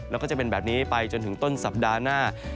แล้วก็จะเป็นแบบนี้ไปจนถึงต้นสัปดาห์หน้า